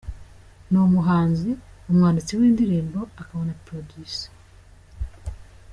Ni umuhanzi, umwanditsi w’indirimbo akaba na Producer.